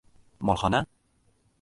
— Molxona?